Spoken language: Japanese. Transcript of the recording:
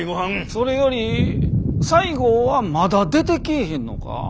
それより西郷はまだ出てきぃひんのか？